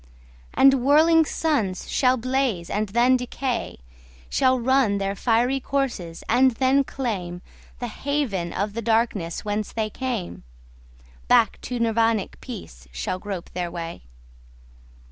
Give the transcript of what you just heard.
And whirling suns shall blaze and then decay, Shall run their fiery courses and then claimThe haven of the darkness whence they came; Back to Nirvanic peace shall grope their way.